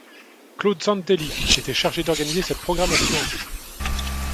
Claude Santelli, était chargé d'organiser cette programmation.